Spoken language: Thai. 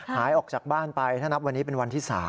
หายออกจากบ้านไปถ้านับวันนี้เป็นวันที่๓